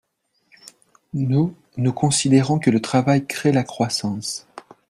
Nous, nous considérons que le travail crée la croissance.